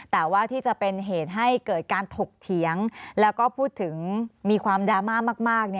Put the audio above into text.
แต่ว่าที่จะเป็นเหตุให้เกิดการถกเถียงแล้วก็พูดถึงมีความดราม่ามาก